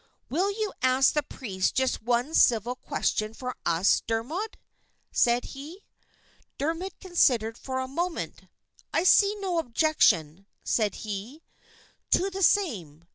"Will you ask the Priest just one civil question for us, Dermod?" said he. Dermod considered for a moment. "I see no objection," said he, "to the same.